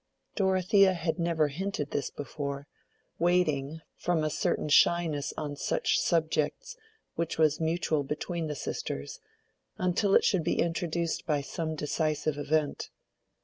Dorothea had never hinted this before, waiting, from a certain shyness on such subjects which was mutual between the sisters, until it should be introduced by some decisive event.